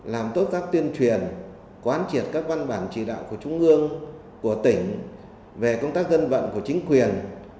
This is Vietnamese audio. làm tốt các tuyên truyền quán triệt các văn bản chỉ đạo của trung ương của tỉnh về công tác dân vận của chính quyền